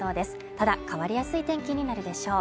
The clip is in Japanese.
ただ、変わりやすい天気になるでしょう。